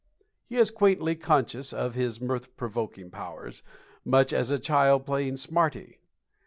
He is quaintly conscious of his mirth provoking powers, much as a child playing "smarty."